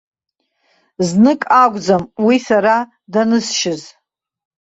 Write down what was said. Знык акәӡам уи сара данысшьыз.